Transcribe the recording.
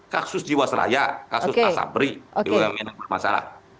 kasus jiwasraya kasus asabri bumn yang bermasalah